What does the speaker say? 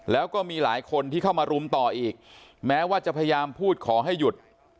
แล้วก็มีหลายคนที่เข้ามารุมต่ออีกแม้ว่าจะพยายามพูดขอให้หยุด